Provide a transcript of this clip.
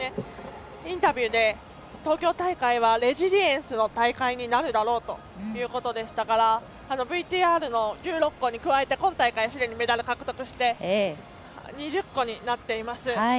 インタビューで東京大会はレジリエンスの大会になるだろうということでしたからＶＴＲの１６個に加えて今大会すでにメダルを獲得して２０個になっています。